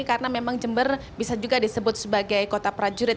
karena memang jember bisa juga disebut sebagai kota prajurit